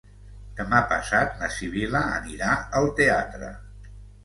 Demà passat na Sibil·la anirà al teatre.